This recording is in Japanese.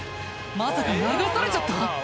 まさか流されちゃった？